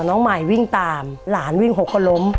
น้องใหม่วิ่งตามหลานวิ่งหกก็ล้ม